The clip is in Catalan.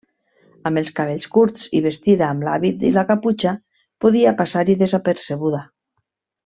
Amb els cabells curts i vestida amb l'hàbit i la caputxa, podia passar-hi desapercebuda.